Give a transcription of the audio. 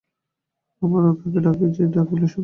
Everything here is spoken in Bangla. আমরা তাকেই ডাকি যে ডাকলেই শুনে।